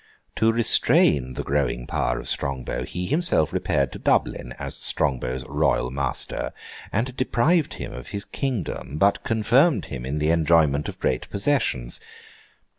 To restrain the growing power of Strongbow, he himself repaired to Dublin, as Strongbow's Royal Master, and deprived him of his kingdom, but confirmed him in the enjoyment of great possessions.